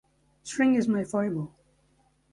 String is my foible.